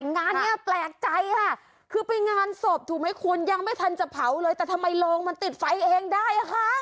งานนี้แปลกใจคือเป็นงานศพถูมิคุณยังไม่ทันจะเผาเลยแต่ทำไมลองมันติดไฟเองได้